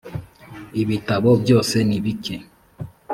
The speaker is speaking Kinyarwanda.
ibitabo byose nibike